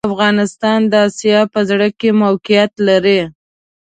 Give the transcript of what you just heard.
افغانستان د اسیا په زړه کي موقیعت لري